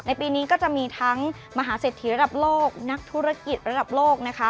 ปีนี้ก็จะมีทั้งมหาเศรษฐีระดับโลกนักธุรกิจระดับโลกนะคะ